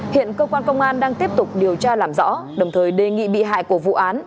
hiện cơ quan công an đang tiếp tục điều tra làm rõ đồng thời đề nghị bị hại của vụ án